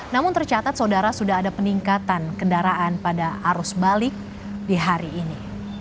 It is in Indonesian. namun tercatat saudara sudah ada peningkatan kendaraan pada arus balik di hari ini